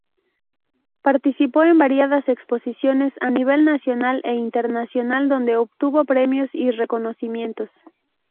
Participó en variadas exposiciones a nivel nacional e internacional donde obtuvo premios y reconocimientos.